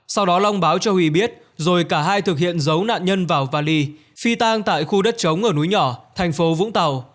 sau đó long báo cho huy biết rồi cả hai thực hiện giấu nạn nhân vào vali phi tang tại khu đất chống ở núi nhỏ thành phố vũng tàu